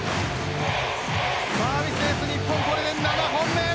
サービスエース日本これで７本目。